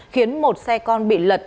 khiến một xe con bị lật